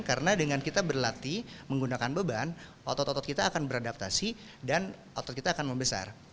karena dengan kita berlatih menggunakan beban otot otot kita akan beradaptasi dan otot kita akan membesar